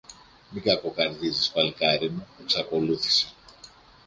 Μην κακοκαρδίζεις, παλικάρι μου, εξακολούθησε.